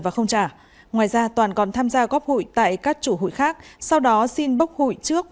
và không trả ngoài ra toàn còn tham gia góp hủy tại các chủ hủy khác sau đó xin bốc hủy trước